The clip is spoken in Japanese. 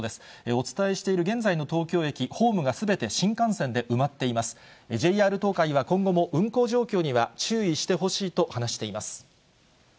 お伝えしている現在の東京駅、ホームがすべて新幹線で埋まってＪＲ東海は今後も運行状況には注意してほしいと話しています。